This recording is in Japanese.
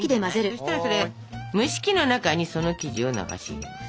そしたらそれ蒸し器の中にその生地を流し入れます。